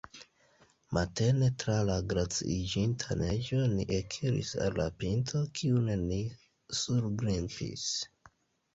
Matene tra la glaciiĝinta neĝo ni ekiris al la pinto, kiun ni surgrimpis.